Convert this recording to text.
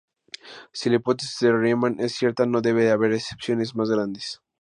Si la hipótesis de Riemann es cierta, no debe haber excepciones más grandes.